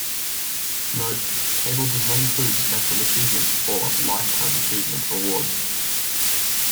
Note: Table does not include 'Special Achievement' or 'Lifetime Achievement' awards.